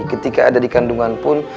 ketika ada di kandungan pun